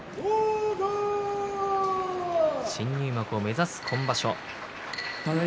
新入幕を目指す今場所。